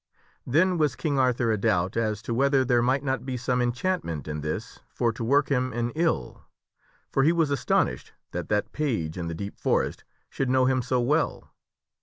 Then was King Arthur a doubt as to whether there might not be some enchantment in this for to work him an ill, for he was astonished that that page in the deep forest should know him so well.